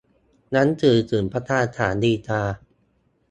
หนังสือถึงประธานศาลฎีกา